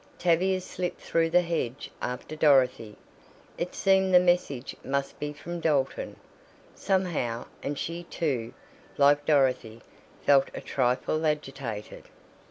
Tavia slipped through the hedge after Dorothy. It seemed the message must be from Dalton, somehow, and she too, like Dorothy, felt a trifle agitated.